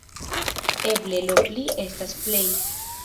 Eble 'lo pli' estas 'plej'.